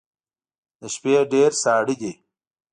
د شپې ډیر ساړه دی